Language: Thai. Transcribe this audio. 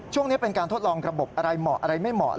ช่วงนี้เป็นการทดลองระบบอะไรเหมาะอะไรไม่เหมาะ